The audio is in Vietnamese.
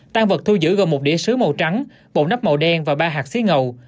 tăng vật thu giữ gồm một đĩa sứ màu trắng bộ nắp màu đen và ba hạt xí ngầu